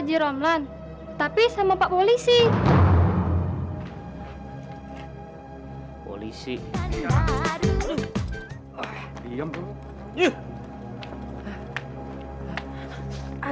dera dera jangan lupakan gue dera